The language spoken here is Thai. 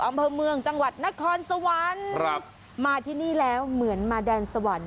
อำเภอเมืองจังหวัดนครสวรรค์ครับมาที่นี่แล้วเหมือนมาแดนสวรรค์